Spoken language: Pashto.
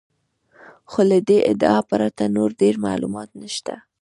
خو له دې ادعا پرته نور ډېر معلومات نشته.